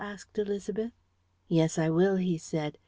asked Élisabeth. "Yes, I will," he said.